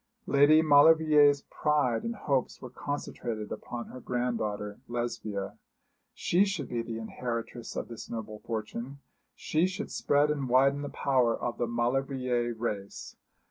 Lady Maulevrier's pride and hopes were concentrated upon her granddaughter Lesbia. She should be the inheritress of this noble fortune she should spread and widen the power of the Maulevrier race.